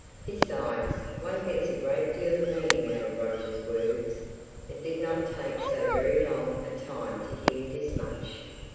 Besides, one gets a great deal of meaning out of Roger's words; it didn't take so very long a time to hear this much."